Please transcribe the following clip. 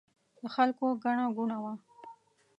د خلکو ګڼه ګوڼه وه.